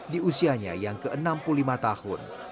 di usianya yang ke enam puluh lima tahun